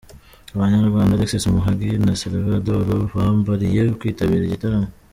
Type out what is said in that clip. Abanyarwenya Alexis Muhangi na Salvador bambariye kwitabira igitaramo.